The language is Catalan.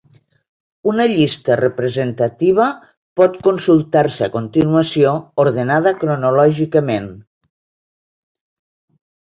Una llista representativa pot consultar-se a continuació, ordenada cronològicament.